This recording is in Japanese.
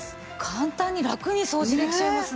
簡単にラクに掃除できちゃいますね。